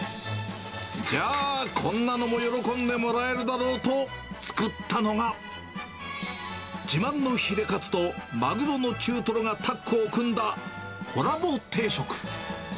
じゃあ、こんなのも喜んでもらえるだろうと作ったのが、自慢のヒレカツとマグロの中トロがタッグを組んだ、コラボ定食。